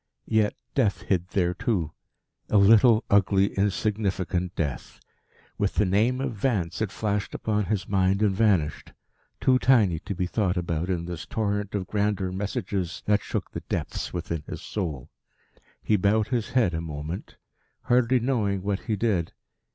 Yet Death hid there too a little, ugly, insignificant death. With the name of Vance it flashed upon his mind and vanished, too tiny to be thought about in this torrent of grander messages that shook the depths within his soul. He bowed his head a moment, hardly knowing what he did.